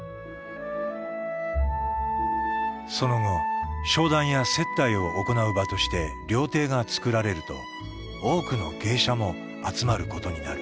その後商談や接待を行う場として料亭が造られると多くの芸者も集まることになる。